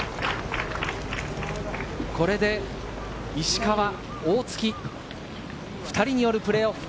これで石川、大槻、２人によるプレーオフ。